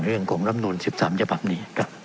เรื่องของรำนูน๑๓จบับนี้ครับ